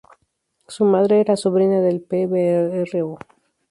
Su madre era sobrina del Pbro.